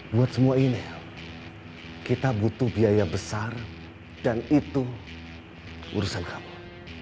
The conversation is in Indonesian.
buat semua ini kita butuh biaya besar dan itu urusan hama